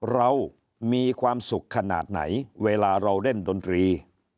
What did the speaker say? เรามีความสุขขนาดไหนเวลาเราเล่นดนตรี